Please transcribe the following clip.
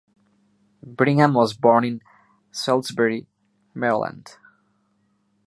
Brittingham was born in Salisbury, Maryland.